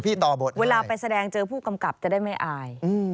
ต่อบทเวลาไปแสดงเจอผู้กำกับจะได้ไม่อาย